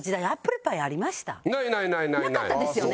なかったですよね？